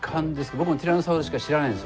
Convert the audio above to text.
僕もティラノサウルスしか知らないです。